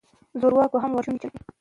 زورواکو هم ورته شونډې چیچلې.